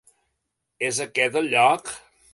És aquest el lloc?